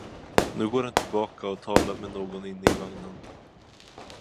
Nu går han tillbaka och talar med någon inne i vagnen.